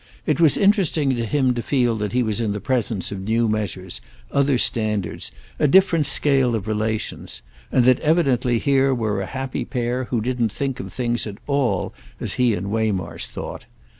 It was interesting to him to feel that he was in the presence of new measures, other standards, a different scale of relations, and that evidently here were a happy pair who didn't think of things at all as he and Waymarsh thought.